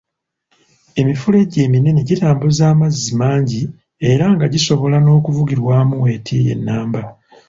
Emifulejje eminene gitambuza amazzi mangi era nga gisobola n'okuvugirwamu weetiiye nnamba